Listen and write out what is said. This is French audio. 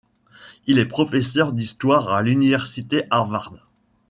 Il est professeur d'histoire à l'Université Harvard.